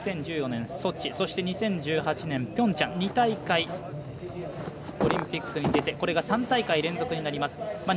２０１４年のソチそして、２０１８年ピョンチャン２大会オリンピックに出てこれが３大会連続になります。